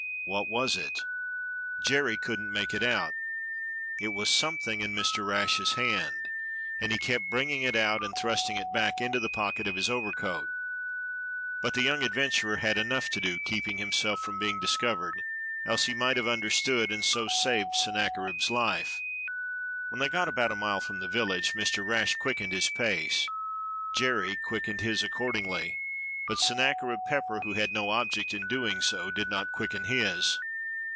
What was it.f^ Jerry couldn't make out. It was some thing in Mr. Rash's hand, and he kept bringing it out and thrusting it back into the pocket of his overcoat. But the young adventurer had enough to do, keeping himself from being discovered, else he 65 66 DOCTOR SYN might have understood and so saved Sennacherib's life. When they got about a mile from the village Mr. Rash quickened his pace; Jerry quickened his accord ingly, but Sennacherib Pepper, who had no object in doing so, did not quicken his.